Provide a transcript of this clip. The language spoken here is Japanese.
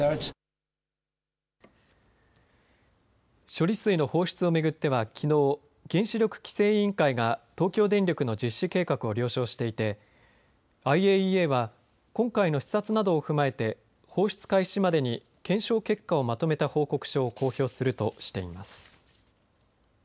処理水の放出をめぐってはきのう原子力規制委員会が東京電力の実施計画を了承していてＩＡＥＡは今回の視察などを踏まえて放出開始までに検証結果をまとめた報告書を公表するとしています。